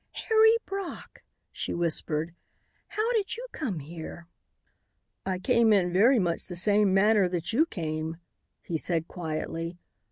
"Harry Brock!" she whispered. "How did you come here?" "I came in very much the same manner that you came," he said quietly.